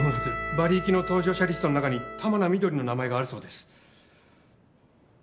バリ行きの搭乗者リストの中に「玉名翠」の名前があるそうです。